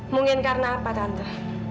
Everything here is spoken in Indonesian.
mungkin karena apa tante